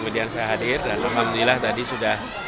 dan alhamdulillah tadi sudah